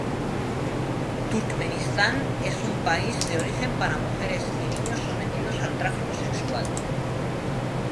Turkmenistán es un país de origen para mujeres y niños sometidos al tráfico sexual.